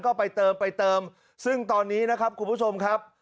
ก็ไปเติมไปเติมซึ่งตอนนี้นะครับคุณผู้ชมครับ